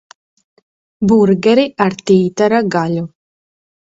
Burgeri ar tītara gaļu.